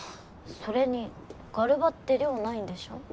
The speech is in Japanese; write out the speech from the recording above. それにガルバって寮ないんでしょ？